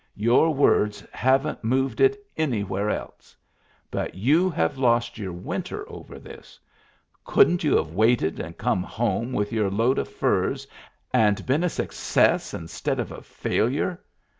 Your words haven't moved it anywhere else. But you have lost your winter over this. Couldn't you have waited and come home with your load of furs, and been a success instead of a failure?